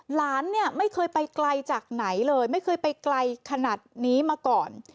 หลานเนี่ยไม่เคยไปไกลจากไหนเลยไม่เคยไปไกลขนาดนี้มาก่อน